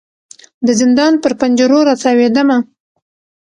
د زندان پر پنجرو را تاویدمه